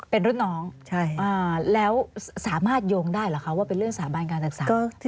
เป็นรุ่นน้องแล้วสามารถโยงได้หรือคะว่าเป็นเรื่องสาบานการศึกษา